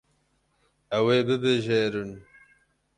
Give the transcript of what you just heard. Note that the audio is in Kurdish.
Ew ê bibijêrin.